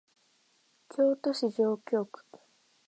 京都市上京区